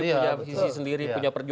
punya visi sendiri